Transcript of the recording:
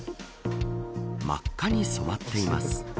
真っ赤に染まっています。